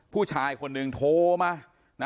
ผู้ชายคนหนึ่งโทรมา